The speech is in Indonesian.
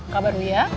kau baru ya